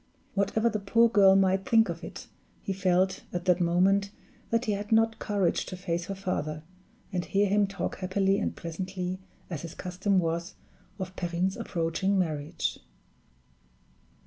Whatever the poor girl might think of it, he felt, at that moment, that he had not courage to face her father, and hear him talk happily and pleasantly, as his custom was, of Perrine's approaching marriage.